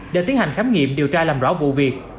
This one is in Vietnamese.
để tiến hành khám nghiệm điều tra làm rõ vụ việc